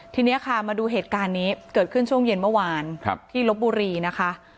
ทีนี้ค่ะมาดูเหตุการณ์นี้เกิดขึ้นช่วงเย็นเมื่อวานที่ลบบุรีนะคะ